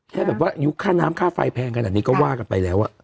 แค่แบบว่ายุคค่าน้ำค่าไฟแพงขนาดนี้ก็ว่ากันไปแล้ว